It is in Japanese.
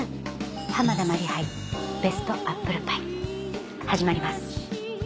「濱田マリ杯ベストアップルパイ」始まります。